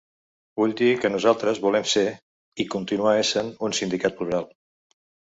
Vull dir que nosaltres volem ser, i continuar essent, un sindicat plural.